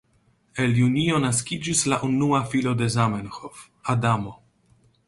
En Junio naskiĝis la unua filo de Zamenhof, Adamo.